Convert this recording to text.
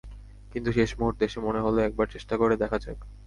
কিন্তু শেষ মুহূর্তে এসে মনে হলো, একবার চেষ্টা করে দেখা যাক।